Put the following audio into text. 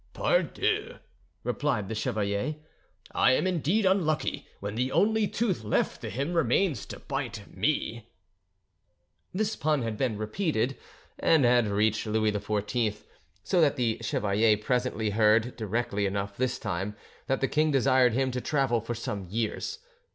] "Pardieu!" replied the chevalier, "I am indeed unlucky when the only tooth left to him remains to bite me." This pun had been repeated, and had reached Louis XIV, so that the chevalier presently heard, directly enough this time, that the king desired him to travel for some years.